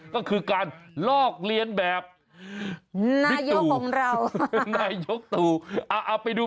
ก็คือการลอกเลี้ยนแบบนายกตู่